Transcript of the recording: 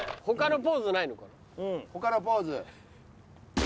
他のポーズ。